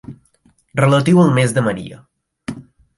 Relatiu al mes de Maria.